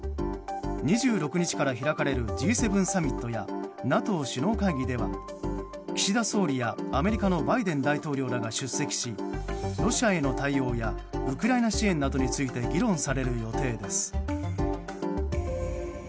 ２６日から開かれるＧ７サミットやＮＡＴＯ首脳会議では岸田総理やアメリカのバイデン大統領らが出席しロシアへの対応やウクライナ支援などについて議論される予定です。